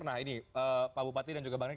nah ini pak bupati dan juga bang rey